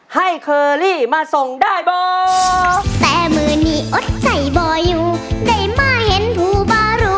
ให้เคอรี่มาส่งได้บ่